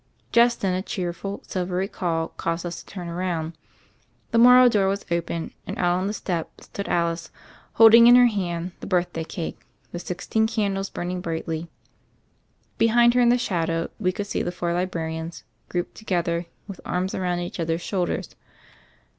Just then, a cheerful, silvery call caused us to turn round. The Morrow door was open, and out on the step stood Alice, holding in her hand the birthday cake, the sixteen candles burn ing brightly. Behind her in the shadow we could see the four librarians grouped together with arms around each other's shoulders.